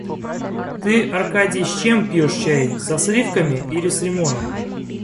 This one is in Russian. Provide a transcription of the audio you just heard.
Ты, Аркадий, с чем пьешь чай, со сливками или с лимоном?